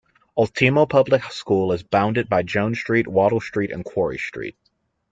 Ultimo Public School is bounded by Jones Street, Wattle Street and Quarry Street.